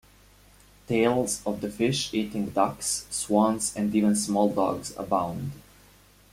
Tales of the fish eating ducks, swans and even small dogs abound.